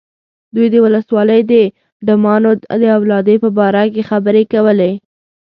دوی د ولسوالۍ د ډمانو د اولادې په باره کې خبرې کولې.